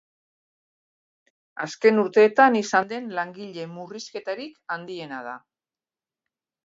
Azken urteetan izan den langile murrizketarik handiena da.